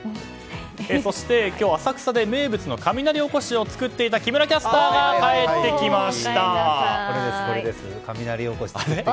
そして、今日、浅草で名物の雷おこしを作っていたこれです、これです。